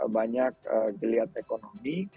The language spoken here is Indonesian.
banyak geliat ekonomi